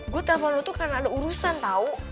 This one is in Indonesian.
gue telfon lo tuh karena ada urusan tau